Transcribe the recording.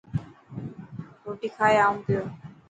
روٽي کائي اون پيو.